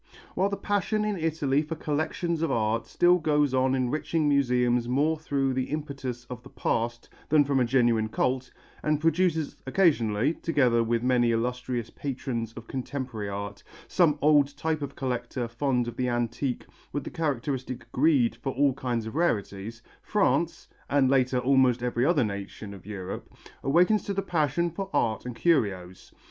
While the passion in Italy for collections of art still goes on enriching museums more through the impetus of the past than from a genuine cult, and produces occasionally, together with many illustrious patrons of contemporary art, some old type of collector fond of the antique with the characteristic greed for all kinds of rarities, France, and later almost every other nation of Europe, awakens to the passion for art and curios.